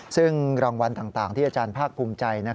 ซึ่งรางวัลต่างที่อาจารย์ภาคภูมิใจ